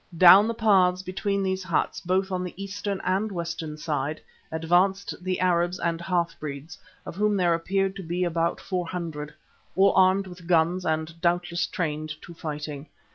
Down the paths between these huts, both on the eastern and the western side, advanced the Arabs and half breeds, of whom there appeared to be about four hundred, all armed with guns and doubtless trained to fighting.